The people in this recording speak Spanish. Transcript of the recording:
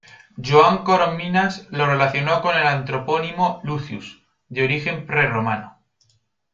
Joan Corominas lo relacionó con el antropónimo "Lucius", de origen prerromano.